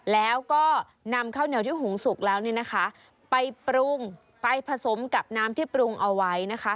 แล้วก็นำข้าวเหนียวที่หุงสุกแล้วเนี่ยนะคะไปปรุงไปผสมกับน้ำที่ปรุงเอาไว้นะคะ